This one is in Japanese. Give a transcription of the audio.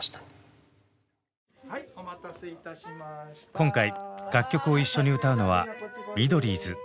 今回楽曲を一緒に歌うのは「ミドリーズ」。